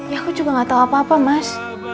ya aku juga gak tahu apa apa mas